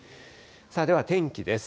では天気です。